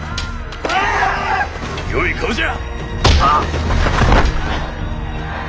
よい顔じゃ。